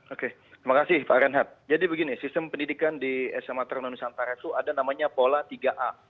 oke terima kasih pak renhat jadi begini sistem pendidikan di sma tarunan nusantara itu ada namanya pola tiga a